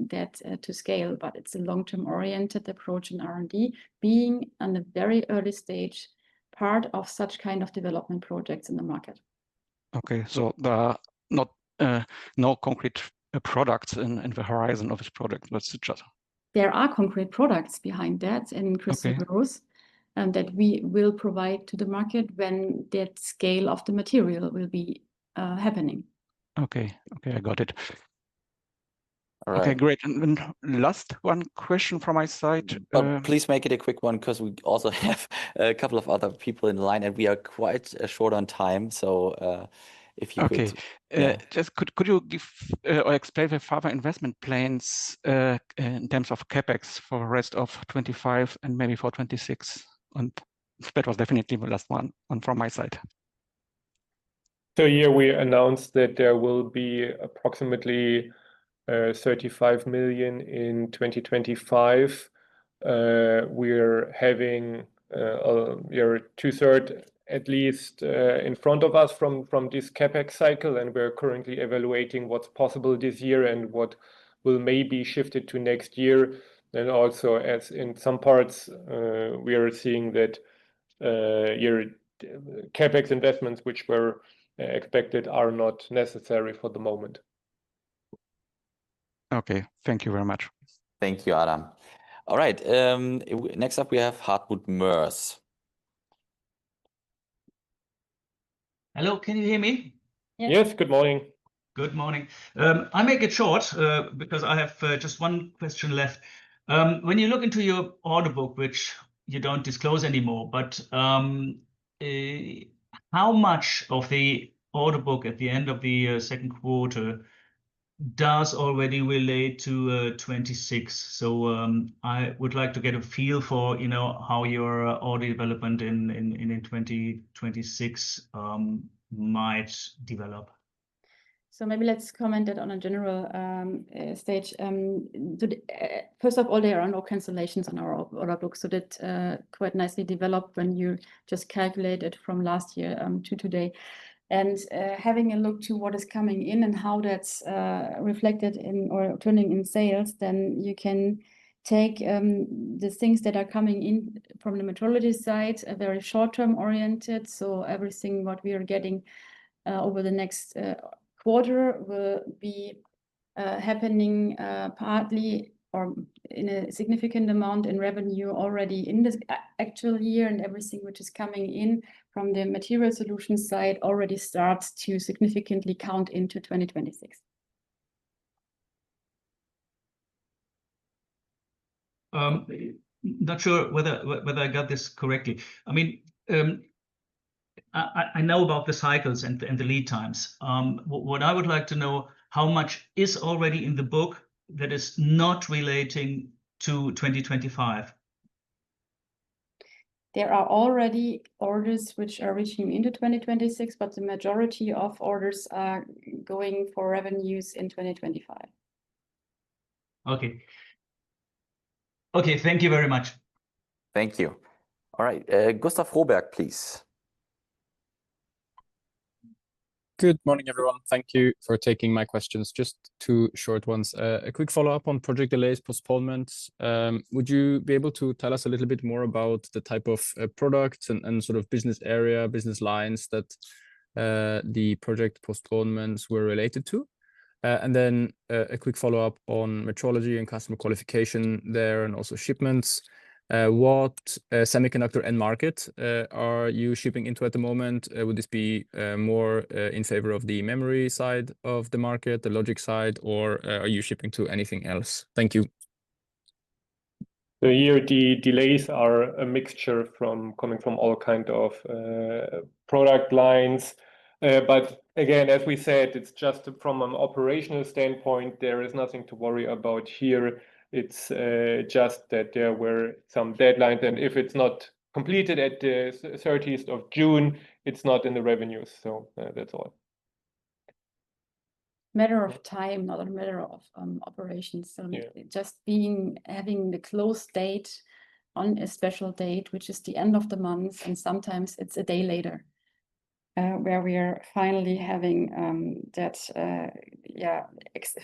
that to scale, but it's a long-term-oriented approach in R&D, being on the very early stage part of such kind of development projects in the market. Okay. There are no concrete products in the horizon of this project, let's suggest. There are concrete products behind that in crystal growth that we will provide to the market when that scale of the material will be happening. Okay, I got it. Okay. Great. Last one question from my side. Please make it a quick one because we also have a couple of other people in line and we are quite short on time. If you could. Okay. Could you give or explain the further investment plans in terms of CapEx for the rest of 2025 and maybe for 2026? That was definitely the last one from my side. We announced that there will be approximately 35 million in 2025. We are having two-thirds at least in front of us from this CapEx cycle, and we're currently evaluating what's possible this year and what will maybe shift to next year. Also, as in some parts, we are seeing that CapEx investments, which were expected, are not necessary for the moment. Okay, thank you very much. Thank you, Adam. All right. Next up, we have Hartmut Moers. Hello. Can you hear me? Yes, good morning. Good morning. I'll make it short because I have just one question left. When you look into your order book, which you don't disclose anymore, how much of the order book at the end of the second quarter does already relate to 2026? I would like to get a feel for how your order development in 2026 might develop. Maybe let's comment that on a general stage. First of all, there are no cancellations on our order book. That quite nicely developed when you just calculate it from last year to today. Having a look to what is coming in and how that's reflected in or turning in sales, you can take the things that are coming in from the metrology side, a very short-term-oriented. Everything we are getting over the next quarter will be happening partly or in a significant amount in revenue already in this actual year. Everything which is coming in from the material solutions side already starts to significantly count into 2026. Not sure whether I got this correctly. I mean, I know about the cycles and the lead times. What I would like to know is how much is already in the book that is not relating to 2025? There are already orders which are reaching into 2026, but the majority of orders are going for revenues in 2025. Okay. Thank you very much. Thank you. All right. Gustav Froberg, please. Good morning, everyone. Thank you for taking my questions. Just two short ones. A quick follow-up on project delays, postponements. Would you be able to tell us a little bit more about the type of products and sort of business area, business lines that the project postponements were related to? A quick follow-up on metrology and customer qualification there and also shipments. What semiconductor end market are you shipping into at the moment? Would this be more in favor of the memory side of the market, the logic side, or are you shipping to anything else? Thank you. The delays are a mixture coming from all kinds of product lines. As we said, it's just from an operational standpoint, there is nothing to worry about here. It's just that there were some deadlines, and if it's not completed at the 30th of June, it's not in the revenues. That's all. Matter of time, not a matter of operations. Just having the closed date on a special date, which is the end of the month, and sometimes it's a day later, where we are finally having that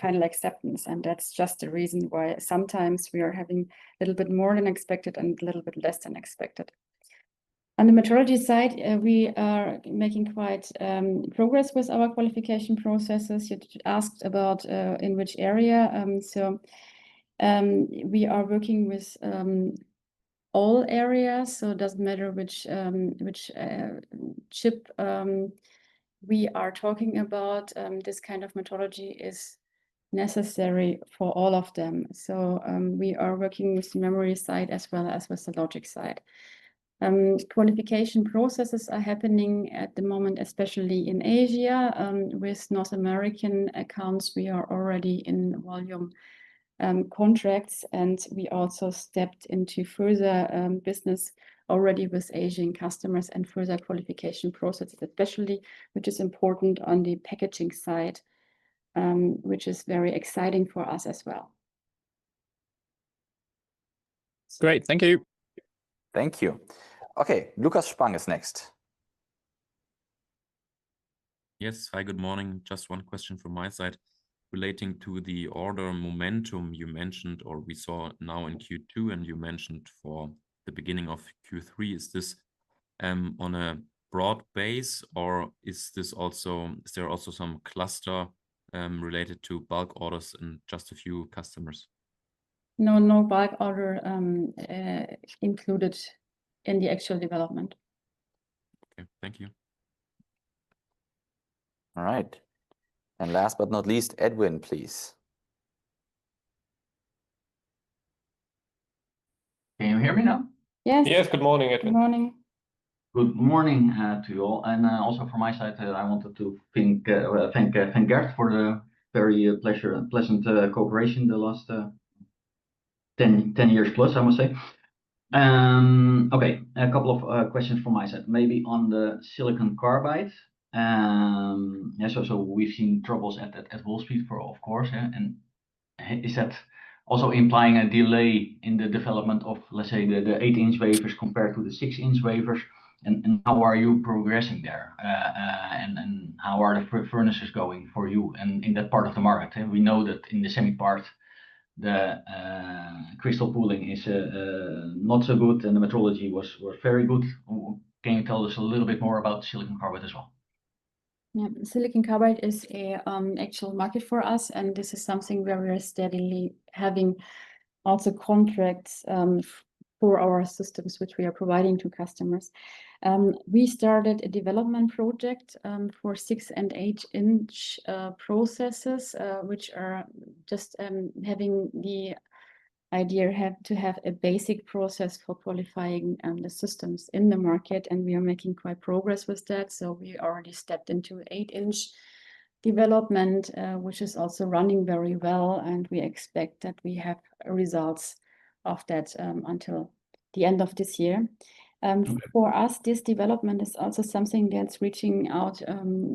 final acceptance. That's just the reason why sometimes we are having a little bit more than expected and a little bit less than expected. On the metrology side, we are making quite progress with our qualification processes. You asked about in which area. We are working with all areas. It doesn't matter which chip we are talking about. This kind of metrology is necessary for all of them. We are working with the memory side as well as with the logic side. Qualification processes are happening at the moment, especially in Asia. With North American accounts, we are already in volume contracts. We also stepped into further business already with Asian customers and further qualification processes, especially which is important on the packaging side, which is very exciting for us as well. That's great. Thank you. Thank you. Okay, Lukas Spang is next. Yes. Hi. Good morning. Just one question from my side. Relating to the order momentum you mentioned or we saw now in Q2 and you mentioned for the beginning of Q3, is this on a broad base or is there also some cluster related to bulk orders and just a few customers? No, no bulk order included in the actual development. Okay. Thank you. All right. Last but not least, Edwin, please? Can you hear me now? Yes. Yes, good morning, Edwin. Good morning. Good morning to you all. Also from my side, I wanted to thank Gerd for a very pleasant cooperation in the last 10 years plus, I must say. A couple of questions from my side. Maybe on the silicon carbide. We've seen troubles at full speed for, of course. Is that also implying a delay in the development of, let's say, the 8-inch wafers compared to the 6-inch wafers? How are you progressing there? How are the furnaces going for you in that part of the market? We know that in the semiconductor segment, the crystal cooling is not so good and the metrology was very good. Can you tell us a little bit more about the silicon carbide as well? Yeah. Silicon carbide is an actual market for us. This is something where we are steadily having also contracts for our systems, which we are providing to customers. We started a development project for 6 and 8-inch processes, which are just having the idea to have a basic process for qualifying the systems in the market. We are making quite progress with that. We already stepped into 8-inch development, which is also running very well. We expect that we have results of that until the end of this year. For us, this development is also something that's reaching out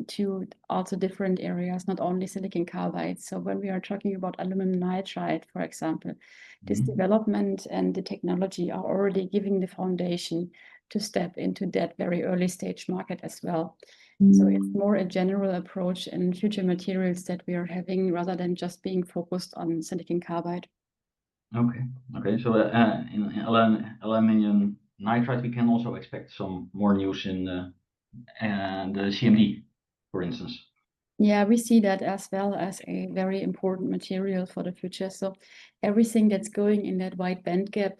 to also different areas, not only silicon carbide. When we are talking about aluminum nitride, for example, this development and the technology are already giving the foundation to step into that very early-stage market as well. It is more a general approach in future materials that we are having rather than just being focused on silicon carbide. Okay. Aluminum nitride, we can also expect some more news in the CMD, for instance. Yeah. We see that as well as a very important material for the future. Everything that's going in that wide bandgap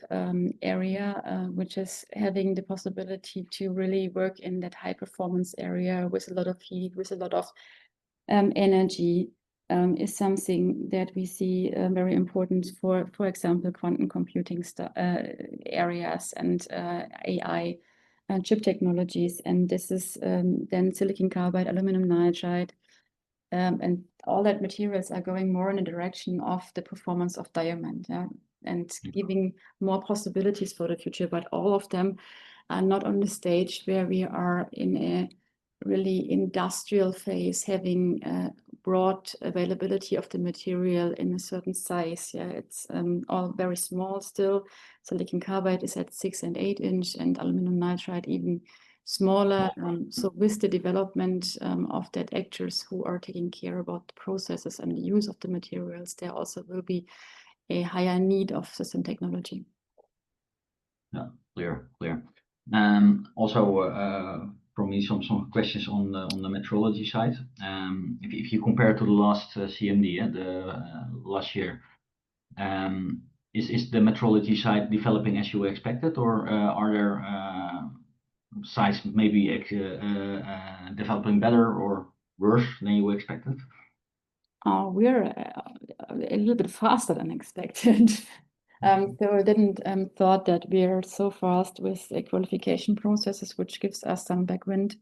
area, which is having the possibility to really work in that high-performance area with a lot of heat, with a lot of energy, is something that we see very important for, for example, quantum computing areas and AI chip technologies. This is then silicon carbide, aluminum nitride, and all that materials are going more in the direction of the performance of diamond and giving more possibilities for the future. All of them are not on the stage where we are in a really industrial phase, having a broad availability of the material in a certain size. It's all very small still. Silicon carbide is at 6 and 8-inch and aluminum nitride even smaller. With the development of that actors who are taking care about the processes and the use of the materials, there also will be a higher need of system technology. Clear. Also, for me, some questions on the metrology side. If you compare to the last CMD, the last year, is the metrology side developing as you expected, or are there sites maybe developing better or worse than you expected? We're a little bit faster than expected. I didn't think that we are so fast with the qualification processes, which gives us some backwind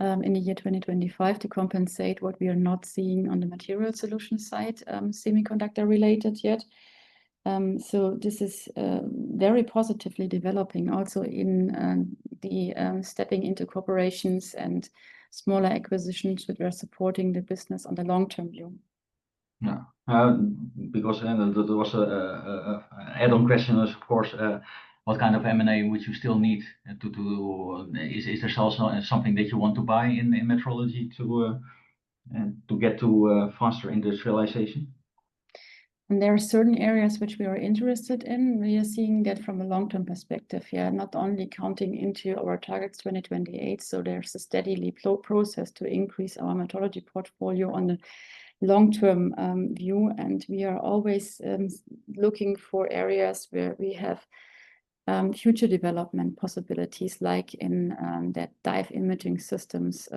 in the year 2025 to compensate what we are not seeing on the material solution side, semiconductor-related yet. This is very positively developing also in the stepping into corporations and smaller acquisitions that are supporting the business on the long-term view. Yeah, because then there was an add-on question, of course, what kind of M&A would you still need? Is there something that you want to buy in metrology to get to faster industrialization? There are certain areas which we are interested in. We are seeing that from a long-term perspective, yeah, not only counting into our target 2028. There's a steady leap-float process to increase our metrology portfolio on the long-term view. We are always looking for areas where we have future development possibilities, like in that Dive Imaging Systems,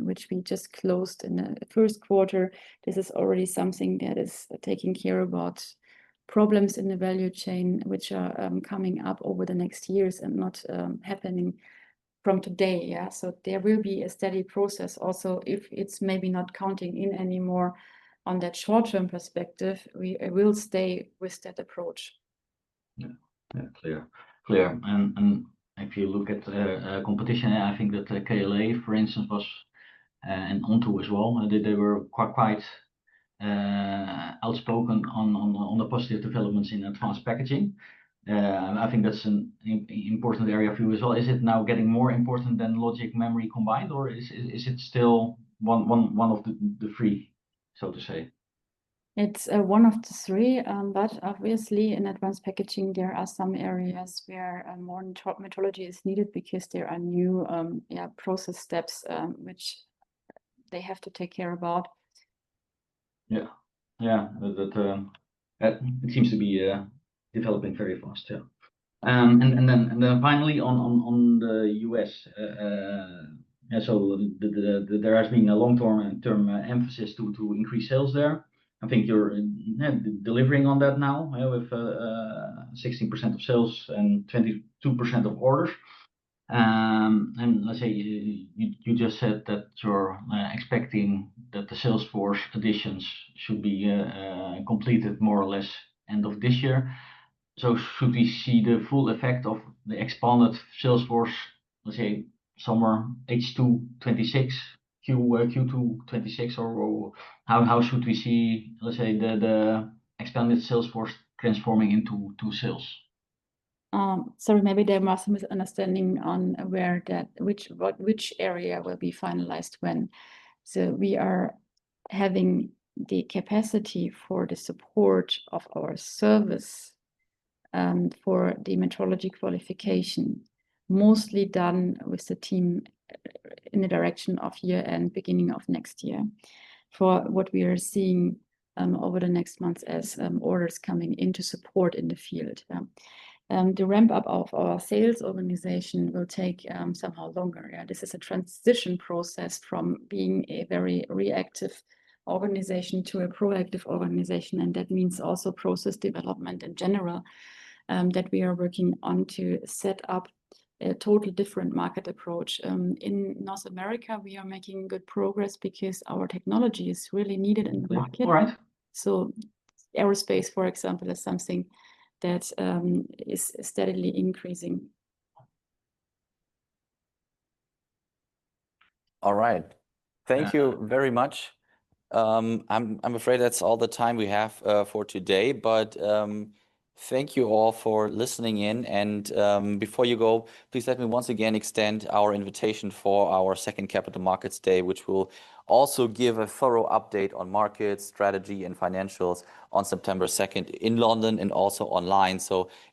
which we just closed in the first quarter. This is already something that is taking care of problems in the value chain, which are coming up over the next years and not happening from today. There will be a steady process. Also, if it's maybe not counting in anymore on that short-term perspective, we will stay with that approach. Yeah. Clear. If you look at the competition, I think that KLA, for instance, was an Onto as well. They were quite outspoken on the positive developments in advanced packaging. I think that's an important area for you as well. Is it now getting more important than logic memory combined, or is it still one of the three, so to say? It's one of the three. Obviously, in advanced packaging, there are some areas where more metrology is needed because there are new process steps, which they have to take care of. Yeah. It seems to be developing very fast. Finally, on the U.S., there has been a long-term emphasis to increase sales there. I think you're delivering on that now with 60% of sales and 22% of orders. You just said that you're expecting that the Salesforce additions should be completed more or less end of this year. Should we see the full effect of the expanded Salesforce, somewhere H2 2026, Q2 2026, or how should we see the expanded Salesforce transition? Meaning to sales. Maybe there was a misunderstanding on where that, which area will be finalized when. We are having the capacity for the support of our service for the metrology qualification, mostly done with the team in the direction of year-end, beginning of next year. For what we are seeing over the next months as orders coming in to support in the field, the ramp-up of our sales organization will take somehow longer. This is a transition process from being a very reactive organization to a proactive organization. That means also process development in general, that we are working on to set up a totally different market approach. In North America, we are making good progress because our technology is really needed in the market. Right. Aerospace, for example, is something that is steadily increasing. All right. Thank you very much. I'm afraid that's all the time we have for today. Thank you all for listening in. Before you go, please let me once again extend our invitation for our second Capital Markets Day, which will also give a thorough update on markets, strategy, and financials on September 2nd in London and also online.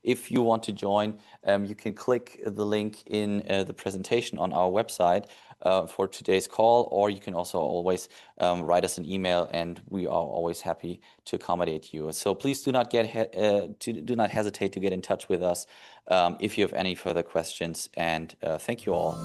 If you want to join, you can click the link in the presentation on our website for today's call. You can also always write us an email. We are always happy to accommodate you. Please do not hesitate to get in touch with us if you have any further questions. Thank you all.